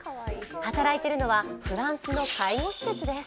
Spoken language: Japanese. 働いているのはフランスの介護施設です。